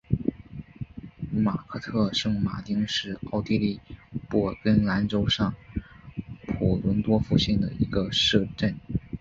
马克特圣马丁是奥地利布尔根兰州上普伦多夫县的一个市镇。